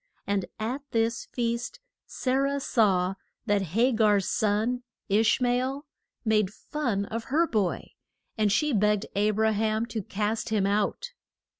And at this feast Sa rah saw that Ha gar's son, Ish ma el, made fun of her boy, and she begged A bra ham to cast him out.